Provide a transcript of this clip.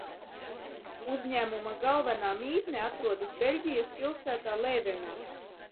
Uzņēmuma galvenā mītne atrodas Beļģijas pilsētā Lēvenā.